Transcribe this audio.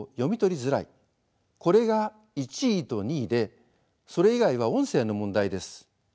これが１位と２位でそれ以外は音声の問題です。